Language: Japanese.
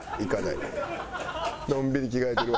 のんびり着替えてるわ。